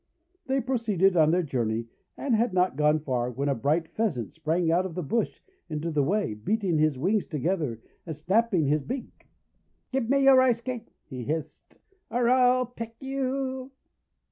They proceeded on their journey, and had not gone far when a bright Pheasant sprang out of a bush into the way, beating his wings together, and snapping his beak. 'Give me a Rice Cake," he hissed, "or I'll peck you!'